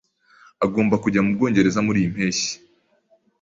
Agomba kujya mu Bwongereza muriyi mpeshyi.